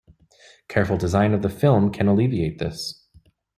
Careful design of the film can alleviate this.